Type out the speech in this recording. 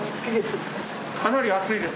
かなり熱いです。